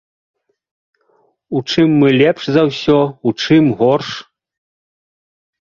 У чым мы лепш за ўсё, у чым горш?